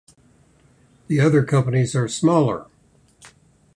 The other companies are smaller.